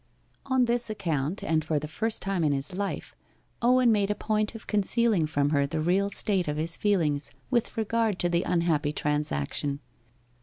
On this account, and for the first time in his life, Owen made a point of concealing from her the real state of his feelings with regard to the unhappy transaction.